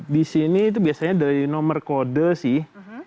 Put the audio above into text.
di sini itu biasanya dari nomor kode sih